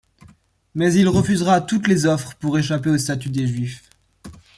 Mais il refusera toutes les offres pour échapper au statut des juifs.